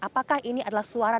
apakah ini adalah suatu kesalahan